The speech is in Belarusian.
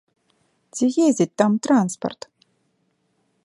Ці ездзіць там транспарт?